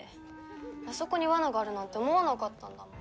あそこに罠があるなんて思わなかったんだもん。